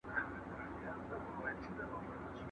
زه پرون ليکلي پاڼي ترتيب کړل؟!